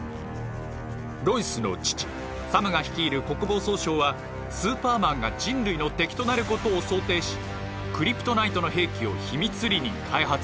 ロイスの父サムが率いる国防総省はスーパーマンが人類の敵となることを想定しクリプトナイトの兵器を秘密裏に開発していたのです。